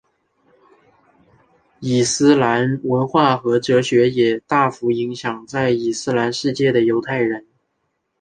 伊斯兰文化和哲学也大幅影响在伊斯兰世界的犹太人。